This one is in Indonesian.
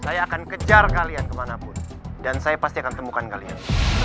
saya akan kejar kalian kemanapun dan saya pasti akan temukan kalian